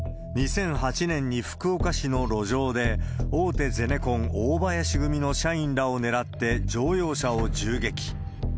２００８年に福岡市の路上で、大手ゼネコン、大林組の社員らを狙って乗用車を銃撃。